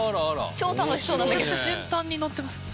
超楽しそうなんだけど。